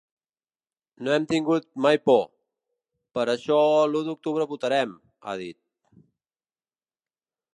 No hem tingut mai por; per això l’u d’octubre votarem, ha dit.